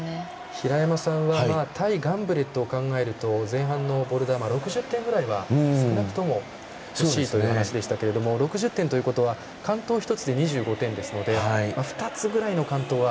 平山さんは対ガンブレットを考えると前半のボルダー、６０点ぐらいは少なくともほしいという話でしたけども６０点ということは完登１つで２５点ですので２つぐらいの完登は。